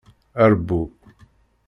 Rbu.